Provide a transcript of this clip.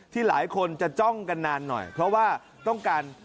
ที่หลายคนจะจ้องกันนานหน่อยเพราะว่าต้องการ